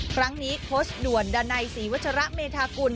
ครั้งนี้โค้ชด่วนดันในศรีวัชระเมธากุล